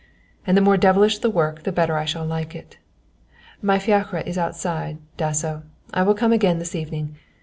And the more devilish the work the better I shall like it. My fiacre is outside, Dasso; I will come again this evening.